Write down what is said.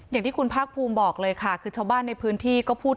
อย่างที่คุณภาคภูมิบอกเลยค่ะคือชาวบ้านในพื้นที่ก็พูด